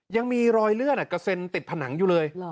ยังมีรอยเลือดกระเซ็นติดผนังอยู่เลย